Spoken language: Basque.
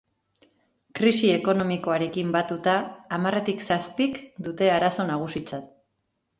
Krisi ekonomikoarekin batuta, hamarretik zazpik dute arazo nagusitzat.